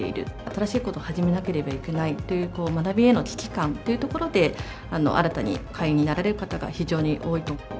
新しいことを始めなければいけないという学びへの危機感というところで、新たに会員になられる方が非常に多いと。